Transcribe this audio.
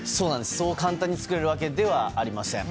そう簡単に作れるわけではありません。